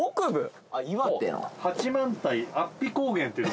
八幡平安比高原っていう。